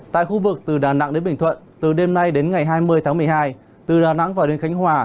tại khu vực từ đà nẵng đến bình thuận từ đêm nay đến ngày hai mươi tháng một mươi hai từ đà nẵng vào đến khánh hòa